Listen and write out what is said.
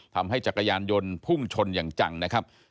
จักรยานยนต์พุ่งชนอย่างจังนะครับ